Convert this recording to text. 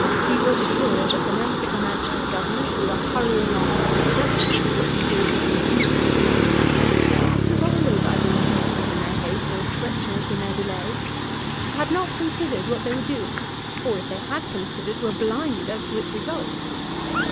He was sure that the members of her Majesty's Government, who were hurrying on this measure with what he thought was indecent haste, ministers are always either indecent in their haste or treacherous in their delay, had not considered what they were doing, or, if they had considered, were blind as to its results.